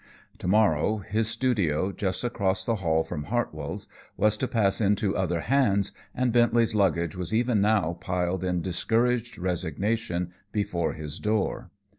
To morrow his studio, just across the hall from Hartwell's, was to pass into other hands, and Bentley's luggage was even now piled in discouraged resignation before his door.